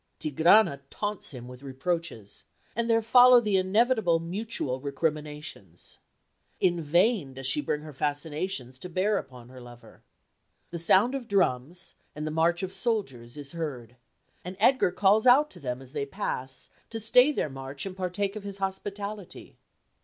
Tigrana taunts him with reproaches, and there follow the inevitable mutual recriminations. In vain does she bring her fascinations to bear upon her lover. The sound of drums and the march of soldiers is heard, and Edgar calls out to them as they pass to stay their march and partake of his hospitality.